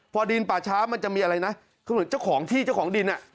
พอดินป่าช้ามันจะมีอะไรนะคือเหมือนเจ้าของที่เจ้าของดินอ่ะ